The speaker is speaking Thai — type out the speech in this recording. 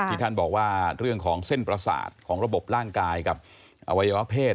ที่ท่านบอกว่าเรื่องของเส้นประสาทของระบบร่างกายกับอวัยวะเพศ